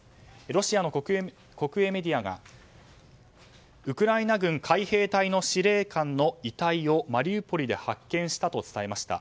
ロシアの国営メディアがウクライナ軍海兵隊の司令官の遺体をマリウポリで発見したと伝えました。